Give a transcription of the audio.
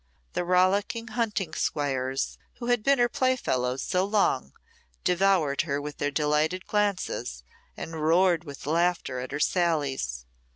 The rollicking hunting squires, who had been her play fellows so long, devoured her with their delighted glances and roared with laughter at her sallies.